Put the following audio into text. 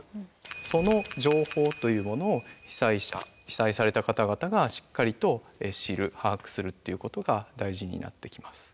その情報というものを被災者被災された方々がしっかりと知る把握するっていうことが大事になってきます。